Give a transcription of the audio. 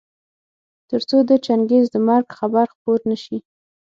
تر څو د چنګېز د مرګ خبر خپور نه شي.